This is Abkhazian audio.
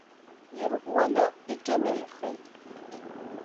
Ирӷәӷәаны иҿынеихеит.